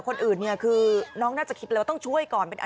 คือสภาพน้องน่ะน่ากลัวมากเลยนะ